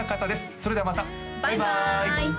それではまたバイバーイ！